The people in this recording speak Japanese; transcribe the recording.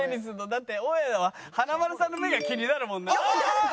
だって大家は華丸さんの目が気になるもんな。